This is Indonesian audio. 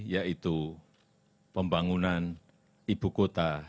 yaitu pembangunan ibu kota